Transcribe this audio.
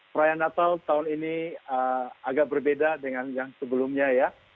perayaan natal tahun ini agak berbeda dengan yang sebelumnya ya